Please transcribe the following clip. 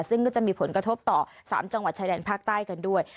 ซึ่งก็จะมีผลกระทบต่อ๓จังหวัดชายแดนภาคใต้กันด้วย